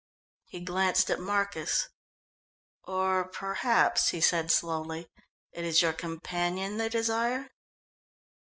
He glanced at Marcus. "Or perhaps," he said slowly, "it is your companion they desire."